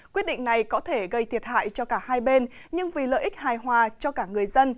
quyết định này có thể gây thiệt hại cho cả hai bên nhưng vì lợi ích hài hòa cho cả người dân